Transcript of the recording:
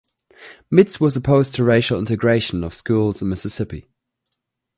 Mitts was opposed to racial integration of schools in Mississippi.